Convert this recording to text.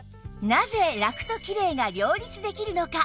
なぜラクときれいが両立できるのか